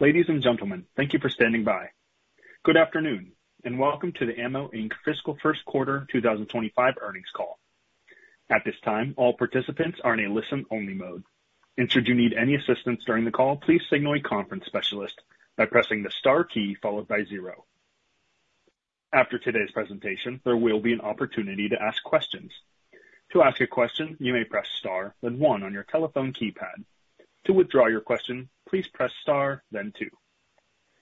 Ladies and gentlemen, thank you for standing by. Good afternoon, and welcome to the AMMO, Inc. fiscal first quarter 2025 earnings call. At this time, all participants are in a listen-only mode, and should you need any assistance during the call, please signal a conference specialist by pressing the star key followed by zero. After today's presentation, there will be an opportunity to ask questions. To ask a question, you may press star, then one on your telephone keypad. To withdraw your question, please press star, then two.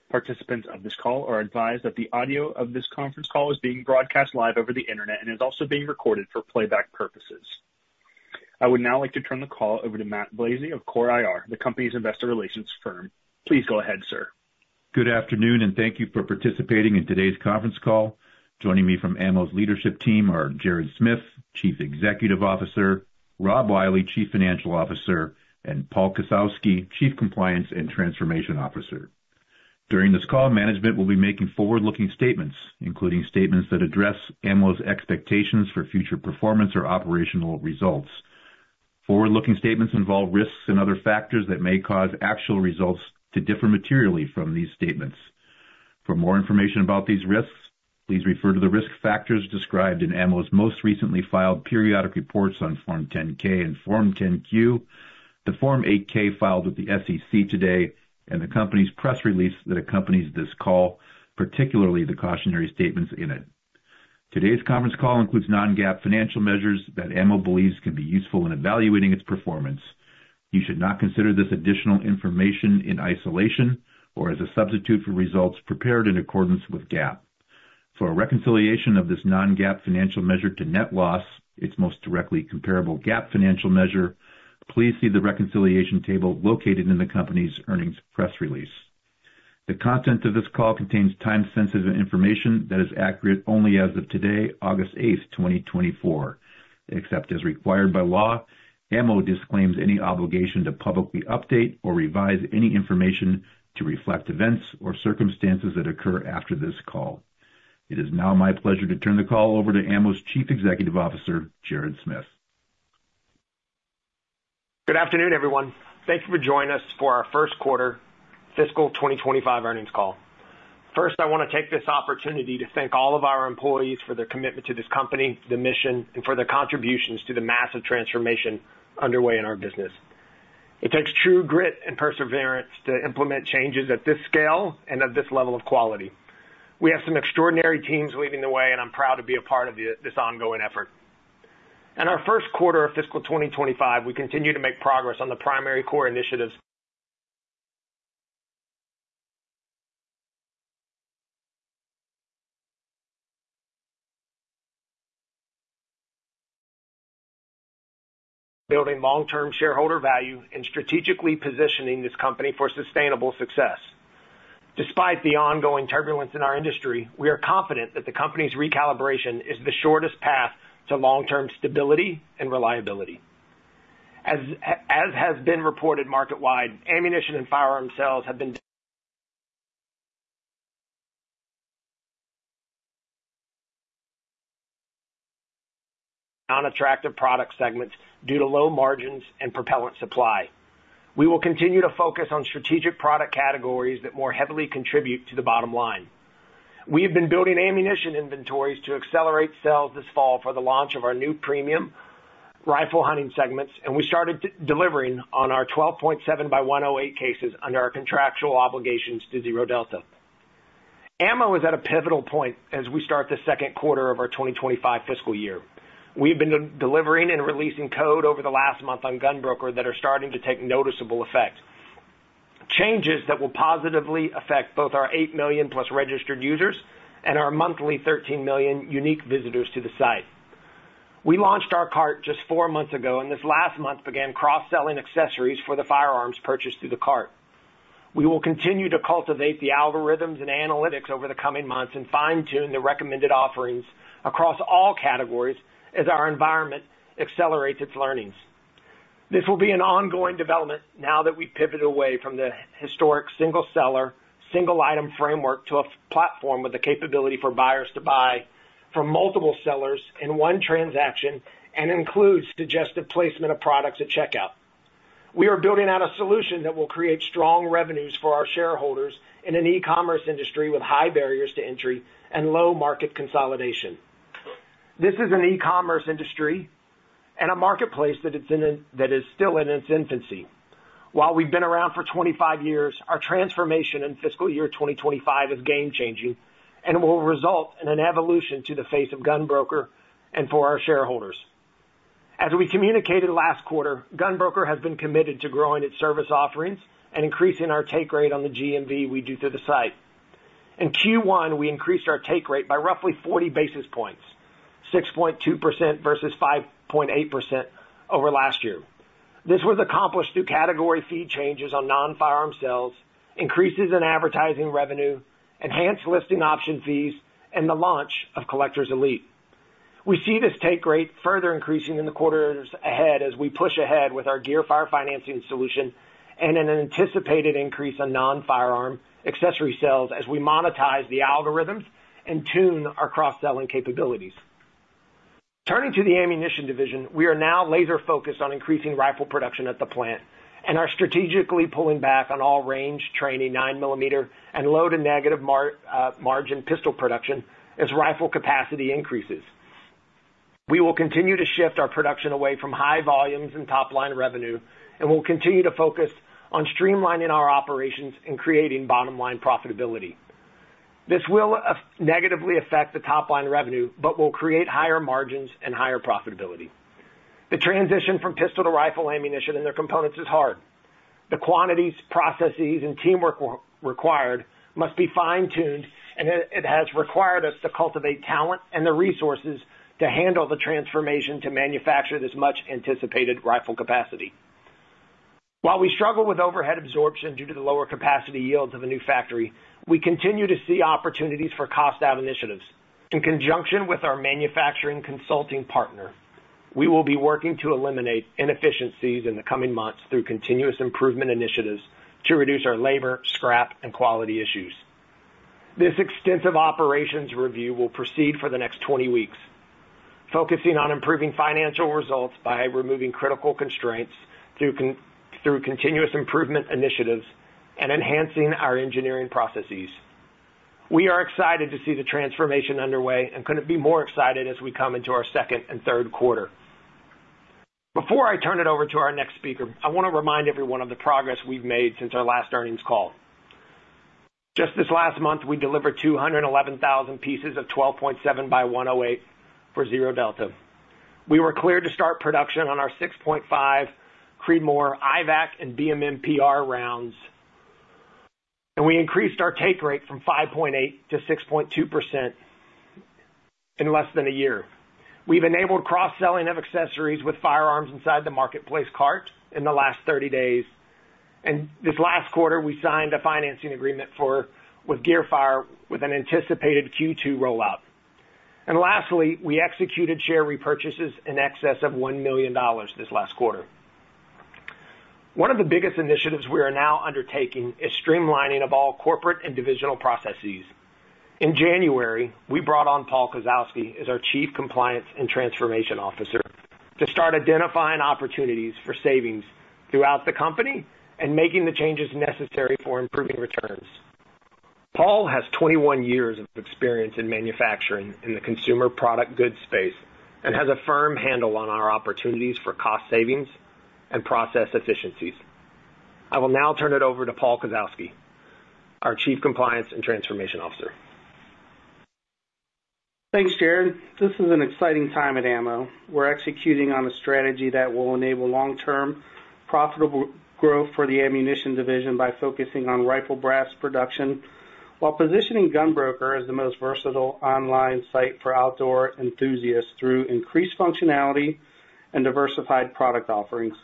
Participants of this call are advised that the audio of this conference call is being broadcast live over the Internet and is also being recorded for playback purposes. I would now like to turn the call over to Matt Blazei of Core IR, the company's investor relations firm. Please go ahead, sir. Good afternoon, and thank you for participating in today's conference call. Joining me from AMMO's leadership team are Jared Smith, Chief Executive Officer, Rob Wiley, Chief Financial Officer, and Paul Kasowski, Chief Compliance and Transformation Officer. During this call, management will be making forward-looking statements, including statements that address AMMO's expectations for future performance or operational results. Forward-looking statements involve risks and other factors that may cause actual results to differ materially from these statements. For more information about these risks, please refer to the risk factors described in AMMO's most recently filed periodic reports on Form 10-K and Form 10-Q, the Form 8-K filed with the SEC today, and the company's press release that accompanies this call, particularly the cautionary statements in it. Today's conference call includes non-GAAP financial measures that AMMO believes can be useful in evaluating its performance. You should not consider this additional information in isolation or as a substitute for results prepared in accordance with GAAP. For a reconciliation of this non-GAAP financial measure to net loss, its most directly comparable GAAP financial measure, please see the reconciliation table located in the company's earnings press release. The content of this call contains time-sensitive information that is accurate only as of today, August 8, 2024. Except as required by law, AMMO disclaims any obligation to publicly update or revise any information to reflect events or circumstances that occur after this call. It is now my pleasure to turn the call over to AMMO's Chief Executive Officer, Jared Smith. Good afternoon, everyone. Thank you for joining us for our first quarter fiscal 2025 earnings call. First, I want to take this opportunity to thank all of our employees for their commitment to this company, the mission, and for their contributions to the massive transformation underway in our business. It takes true grit and perseverance to implement changes at this scale and at this level of quality. We have some extraordinary teams leading the way, and I'm proud to be a part of the, this ongoing effort. In our first quarter of fiscal 2025, we continue to make progress on the primary core initiatives... Building long-term shareholder value and strategically positioning this company for sustainable success. Despite the ongoing turbulence in our industry, we are confident that the company's recalibration is the shortest path to long-term stability and reliability. As has been reported market-wide, ammunition and firearm sales have been... non-attractive product segments due to low margins and propellant supply. We will continue to focus on strategic product categories that more heavily contribute to the bottom line. We have been building ammunition inventories to accelerate sales this fall for the launch of our new premium rifle hunting segments, and we started delivering on our 12.7x108mm cases under our contractual obligations to ZRODelta. AMMO is at a pivotal point as we start the second quarter of our 2025 fiscal year. We've been delivering and releasing code over the last month on GunBroker that are starting to take noticeable effect. Changes that will positively affect both our 8 million-plus registered users and our monthly 13 million unique visitors to the site. We launched our cart just four months ago, and this last month began cross-selling accessories for the firearms purchased through the cart. We will continue to cultivate the algorithms and analytics over the coming months and fine-tune the recommended offerings across all categories as our environment accelerates its learnings. This will be an ongoing development now that we've pivoted away from the historic single seller, single item framework to a full platform with the capability for buyers to buy from multiple sellers in one transaction and includes suggestive placement of products at checkout. We are building out a solution that will create strong revenues for our shareholders in an e-commerce industry with high barriers to entry and low market consolidation. This is an e-commerce industry and a marketplace that is still in its infancy. While we've been around for 25 years, our transformation in fiscal year 2025 is game changing and will result in an evolution to the face of GunBroker and for our shareholders. As we communicated last quarter, GunBroker has been committed to growing its service offerings and increasing our take rate on the GMV we do through the site. In Q1, we increased our take rate by roughly 40 basis points, 6.2% versus 5.8% over last year. This was accomplished through category fee changes on non-firearm sales, increases in advertising revenue, enhanced listing option fees, and the launch of Collectors Elite. We see this take rate further increasing in the quarters ahead as we push ahead with our Gearfire financing solution and an anticipated increase on non-firearm accessory sales as we monetize the algorithms and tune our cross-selling capabilities.... Turning to the ammunition division, we are now laser focused on increasing rifle production at the plant and are strategically pulling back on all range training 9 millimeter and low to negative margin pistol production as rifle capacity increases. We will continue to shift our production away from high volumes and top line revenue, and we'll continue to focus on streamlining our operations and creating bottom-line profitability. This will negatively affect the top line revenue, but will create higher margins and higher profitability. The transition from pistol to rifle ammunition and their components is hard. The quantities, processes, and teamwork required must be fine-tuned, and it has required us to cultivate talent and the resources to handle the transformation to manufacture this much-anticipated rifle capacity. While we struggle with overhead absorption due to the lower capacity yields of the new factory, we continue to see opportunities for cost out initiatives. In conjunction with our manufacturing consulting partner, we will be working to eliminate inefficiencies in the coming months through continuous improvement initiatives to reduce our labor, scrap, and quality issues. This extensive operations review will proceed for the next 20 weeks, focusing on improving financial results by removing critical constraints through continuous improvement initiatives and enhancing our engineering processes. We are excited to see the transformation underway and couldn't be more excited as we come into our second and third quarter. Before I turn it over to our next speaker, I want to remind everyone of the progress we've made since our last earnings call. Just this last month, we delivered 211,000 pieces of 12.7x108mm for ZRODelta. We were clear to start production on our 6.5 Creedmoor IVAC and BMMPR rounds, and we increased our take rate from 5.8% to 6.2% in less than a year. We've enabled cross-selling of accessories with firearms inside the marketplace cart in the last 30 days. This last quarter, we signed a financing agreement with Gearfire, with an anticipated Q2 rollout. And lastly, we executed share repurchases in excess of $1 million this last quarter. One of the biggest initiatives we are now undertaking is streamlining of all corporate and divisional processes. In January, we brought on Paul Kasowski as our Chief Compliance and Transformation Officer, to start identifying opportunities for savings throughout the company and making the changes necessary for improving returns. Paul has 21 years of experience in manufacturing in the consumer product goods space and has a firm handle on our opportunities for cost savings and process efficiencies. I will now turn it over to Paul Kasowski, our Chief Compliance and Transformation Officer. Thanks, Jared. This is an exciting time at AMMO. We're executing on a strategy that will enable long-term, profitable growth for the ammunition division by focusing on rifle brass production, while positioning GunBroker as the most versatile online site for outdoor enthusiasts through increased functionality and diversified product offerings.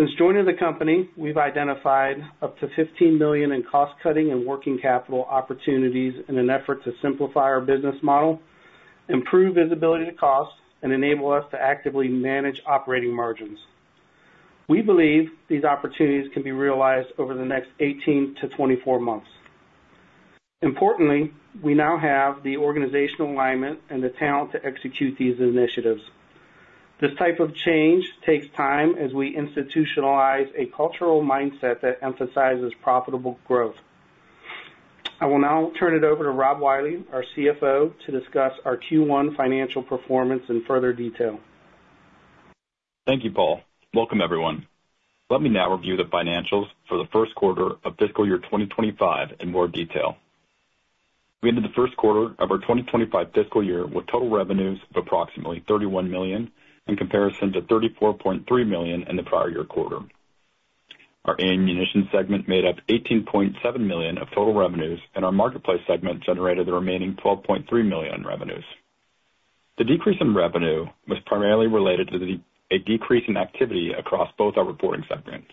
Since joining the company, we've identified up to $15 million in cost-cutting and working capital opportunities in an effort to simplify our business model, improve visibility to costs, and enable us to actively manage operating margins. We believe these opportunities can be realized over the next 18-24 months. Importantly, we now have the organizational alignment and the talent to execute these initiatives. This type of change takes time as we institutionalize a cultural mindset that emphasizes profitable growth. I will now turn it over to Rob Wiley, our CFO, to discuss our Q1 financial performance in further detail. Thank you, Paul. Welcome, everyone. Let me now review the financials for the first quarter of fiscal year 2025 in more detail. We ended the first quarter of our 2025 fiscal year with total revenues of approximately $31 million, in comparison to $34.3 million in the prior year quarter. Our ammunition segment made up $18.7 million of total revenues, and our marketplace segment generated the remaining $12.3 million in revenues. The decrease in revenue was primarily related to a decrease in activity across both our reporting segments,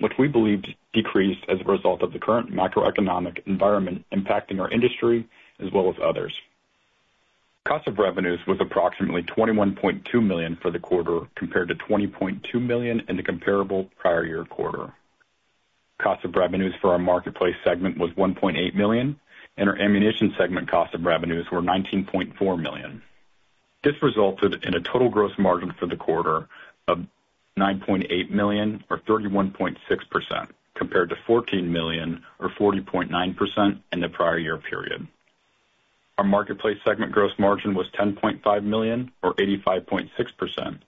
which we believed decreased as a result of the current macroeconomic environment impacting our industry as well as others. Cost of revenues was approximately $21.2 million for the quarter, compared to $20.2 million in the comparable prior year quarter. Cost of revenues for our marketplace segment was $1.8 million, and our ammunition segment cost of revenues were $19.4 million. This resulted in a total gross margin for the quarter of $9.8 million, or 31.6%, compared to $14 million or 40.9% in the prior year period. Our marketplace segment gross margin was $10.5 million or 85.6%.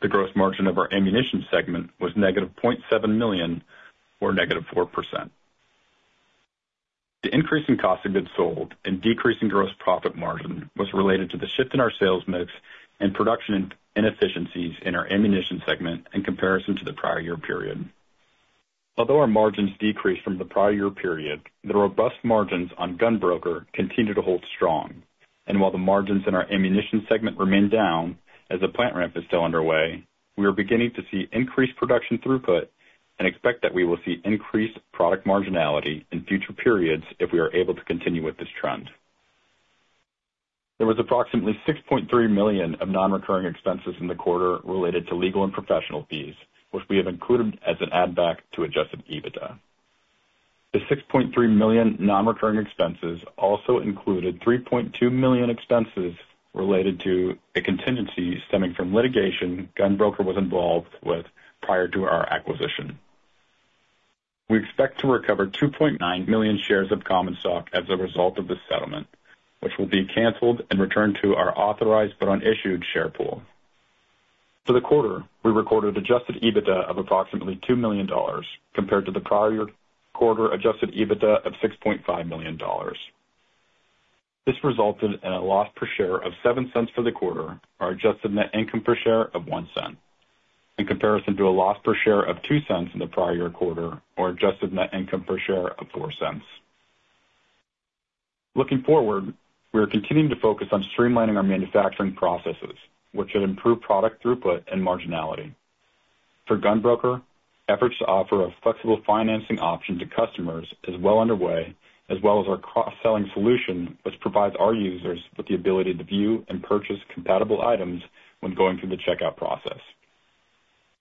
The gross margin of our ammunition segment was -$0.7 million or -4%. The increase in cost of goods sold and decrease in gross profit margin was related to the shift in our sales mix and production inefficiencies in our ammunition segment in comparison to the prior year period. Although our margins decreased from the prior year period, the robust margins on GunBroker continue to hold strong. While the margins in our ammunition segment remain down, as the plant ramp is still underway, we are beginning to see increased production throughput and expect that we will see increased product marginality in future periods if we are able to continue with this trend. There was approximately $6.3 million of non-recurring expenses in the quarter related to legal and professional fees, which we have included as an add-back to Adjusted EBITDA. The $6.3 million non-recurring expenses also included $3.2 million expenses related to a contingency stemming from litigation GunBroker was involved with prior to our acquisition. We expect to recover 2.9 million shares of common stock as a result of this settlement, which will be canceled and returned to our authorized but unissued share pool. For the quarter, we recorded adjusted EBITDA of approximately $2 million, compared to the prior quarter adjusted EBITDA of $6.5 million. This resulted in a loss per share of $0.07 for the quarter, our adjusted net income per share of $0.01, in comparison to a loss per share of $0.02 in the prior quarter, or adjusted net income per share of $0.04. Looking forward, we are continuing to focus on streamlining our manufacturing processes, which should improve product throughput and marginality. For GunBroker, efforts to offer a flexible financing option to customers is well underway, as well as our cross-selling solution, which provides our users with the ability to view and purchase compatible items when going through the checkout process.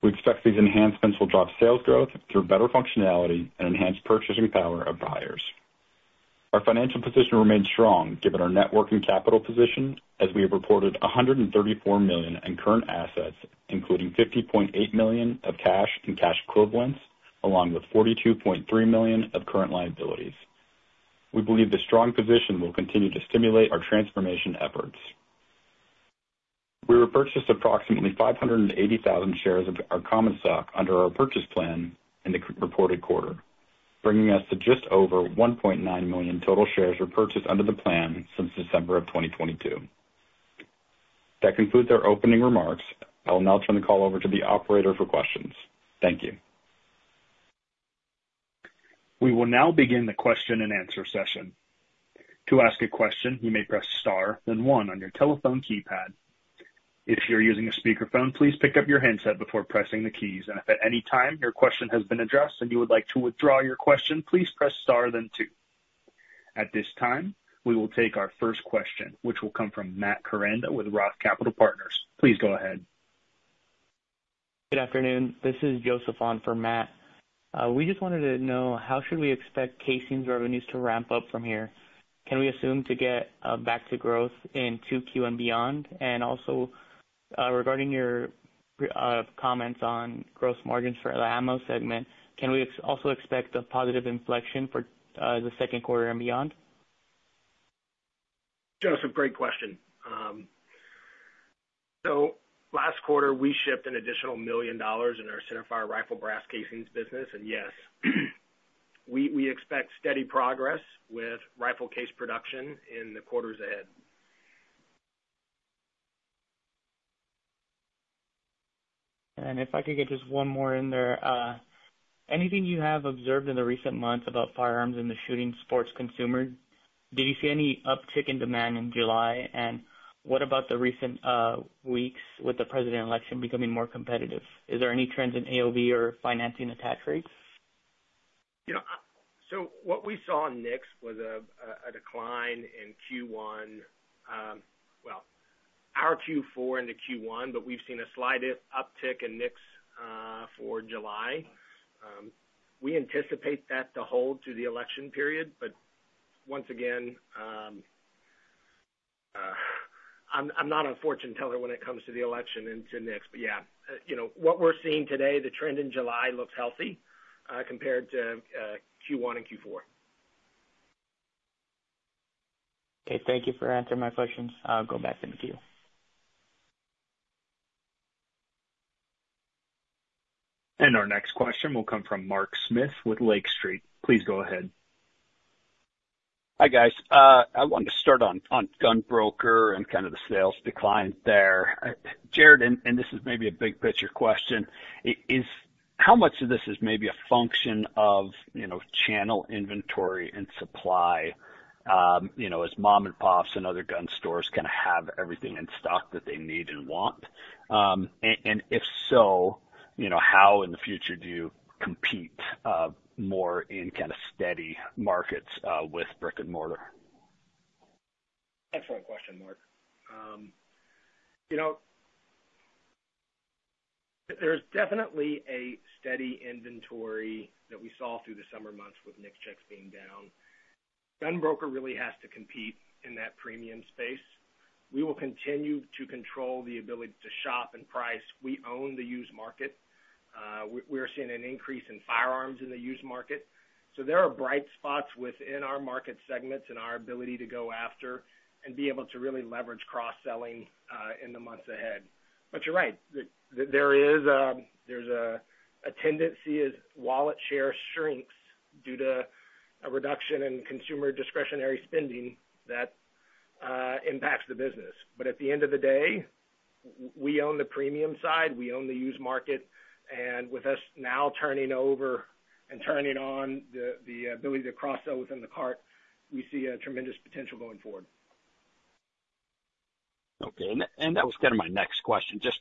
We expect these enhancements will drive sales growth through better functionality and enhanced purchasing power of buyers. Our financial position remains strong, given our net working capital position, as we have reported $134 million in current assets, including $50.8 million of cash and cash equivalents, along with $42.3 million of current liabilities. We believe this strong position will continue to stimulate our transformation efforts. We repurchased approximately 580,000 shares of our common stock under our purchase plan in the reported quarter, bringing us to just over 1.9 million total shares repurchased under the plan since December of 2022. That concludes our opening remarks. I will now turn the call over to the operator for questions. Thank you. We will now begin the question-and-answer session. To ask a question, you may press star, then one on your telephone keypad. If you're using a speakerphone, please pick up your handset before pressing the keys, and if at any time your question has been addressed and you would like to withdraw your question, please press star then two. At this time, we will take our first question, which will come from Matt Koranda with Roth Capital Partners. Please go ahead. Good afternoon. This is Joseph on for Matt. We just wanted to know, how should we expect casings revenues to ramp up from here? Can we assume to get back to growth in 2Q and beyond? And also, regarding your comments on gross margins for the ammo segment, can we also expect a positive inflection for the second quarter and beyond? Joseph, great question. So last quarter, we shipped an additional $1 million in our centerfire rifle brass casings business. And yes, we expect steady progress with rifle case production in the quarters ahead. If I could get just one more in there. Anything you have observed in the recent months about firearms and the shooting sports consumers, did you see any uptick in demand in July? And what about the recent weeks with the presidential election becoming more competitive? Is there any trends in AOV or financing attach rates? You know, so what we saw in NICS was a decline in Q1. Well, our Q4 into Q1, but we've seen a slight uptick in NICS for July. We anticipate that to hold through the election period, but once again, I'm not a fortune teller when it comes to the election and to NICS. But yeah, you know, what we're seeing today, the trend in July looks healthy compared to Q1 and Q4. Okay, thank you for answering my questions. I'll go back in the queue. Our next question will come from Mark Smith with Lake Street. Please go ahead. Hi, guys. I want to start on GunBroker and kind of the sales decline there. Jared, and this is maybe a big picture question. How much of this is maybe a function of, you know, channel inventory and supply, you know, as mom-and-pops and other gun stores kind of have everything in stock that they need and want? And if so, you know, how in the future do you compete, more in kind of steady markets, with brick and mortar? Excellent question, Mark. You know, there's definitely a steady inventory that we saw through the summer months with NICS checks being down. GunBroker really has to compete in that premium space. We will continue to control the ability to shop and price. We own the used market. We are seeing an increase in firearms in the used market. So there are bright spots within our market segments and our ability to go after and be able to really leverage cross-selling in the months ahead. But you're right, there is, there's a tendency as wallet share shrinks due to a reduction in consumer discretionary spending that impacts the business. But at the end of the day, we own the premium side, we own the used market, and with us now turning over and turning on the ability to cross-sell within the cart, we see a tremendous potential going forward. Okay, and that was kind of my next question. Just,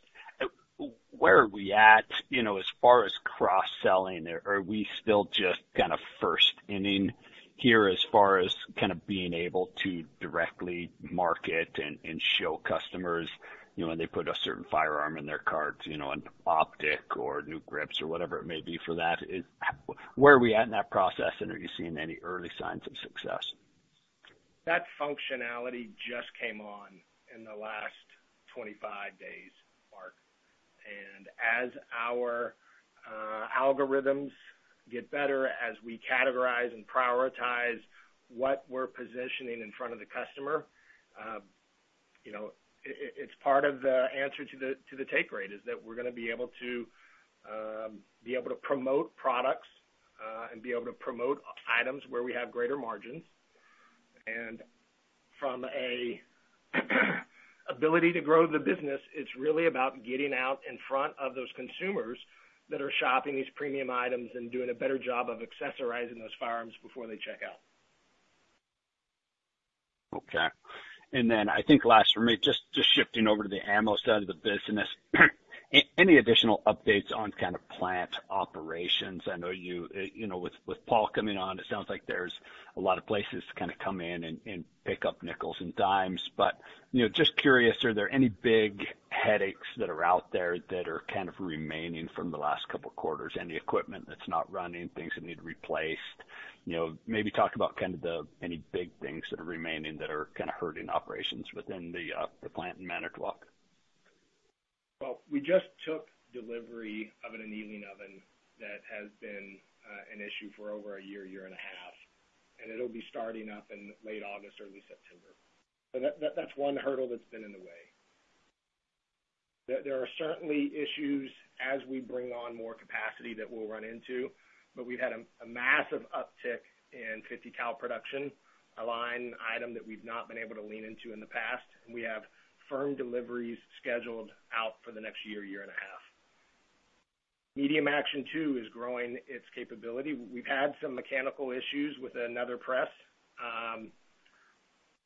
where are we at, you know, as far as cross-selling? Are we still just kind of first inning here as far as kind of being able to directly market and show customers, you know, when they put a certain firearm in their cart, you know, an optic or new grips or whatever it may be for that, is where are we at in that process, and are you seeing any early signs of success?... That functionality just came on in the last 25 days, Mark. And as our algorithms get better, as we categorize and prioritize what we're positioning in front of the customer, you know, it's part of the answer to the take rate, is that we're going to be able to be able to promote products and be able to promote items where we have greater margins. And from a ability to grow the business, it's really about getting out in front of those consumers that are shopping these premium items and doing a better job of accessorizing those firearms before they check out. Okay. And then I think last for me, just shifting over to the ammo side of the business. Any additional updates on kind of plant operations? I know you, you know, with Paul coming on, it sounds like there's a lot of places to kind of come in and pick up nickels and dimes. But, you know, just curious, are there any big headaches that are out there that are kind of remaining from the last couple of quarters? Any equipment that's not running, things that need replaced? You know, maybe talk about kind of the any big things that are remaining that are kind of hurting operations within the plant in Manitowoc. Well, we just took delivery of an annealing oven that has been an issue for over a year, year and a half, and it'll be starting up in late August, early September. So that, that's one hurdle that's been in the way. There are certainly issues as we bring on more capacity that we'll run into, but we've had a massive uptick in 50 cal production, a line item that we've not been able to lean into in the past. We have firm deliveries scheduled out for the next year, year and a half. Medium action, too, is growing its capability. We've had some mechanical issues with another press.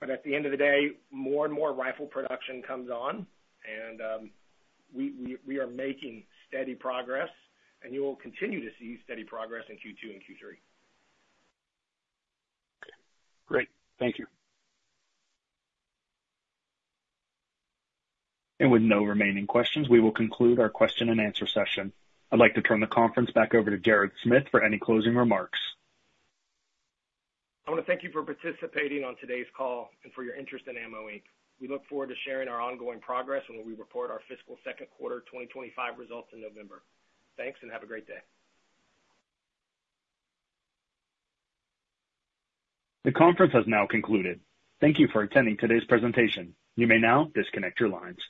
But at the end of the day, more and more rifle production comes on, and we are making steady progress, and you will continue to see steady progress in Q2 and Q3. Great. Thank you. With no remaining questions, we will conclude our question-and-answer session. I'd like to turn the conference back over to Jared Smith for any closing remarks. I want to thank you for participating on today's call and for your interest in AMMO, Inc. We look forward to sharing our ongoing progress when we report our fiscal second quarter 2025 results in November. Thanks, and have a great day. The conference has now concluded. Thank you for attending today's presentation. You may now disconnect your lines.